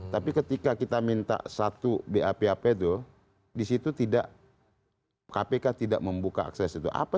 tapi ketika kita minta satu bap ap itu di situ kpk tidak membuka akses itu